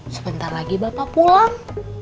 sebentar lagi bapak pulang